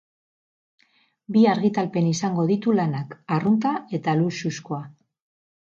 Bi argitalpen izango ditu lanak, arrunta eta luxuzkoa.